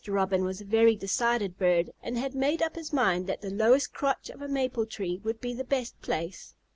Robin was a very decided bird, and had made up his mind that the lowest crotch of a maple tree would be the best place.